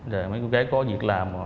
rồi mấy cô gái có việc làm